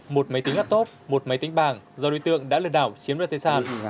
một máy tính laptop một máy tính bảng do đối tượng đã lừa đảo chiếm đoạt tài sản